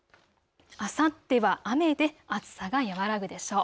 あさっては雨で暑さが和らぐでしょう。